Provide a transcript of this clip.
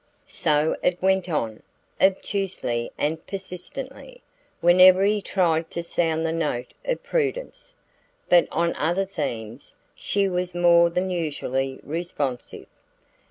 So it went on, obtusely and persistently, whenever he tried to sound the note of prudence. But on other themes she was more than usually responsive.